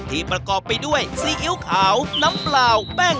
ที่ประกอบไปด้วยซีอิ๊วขาว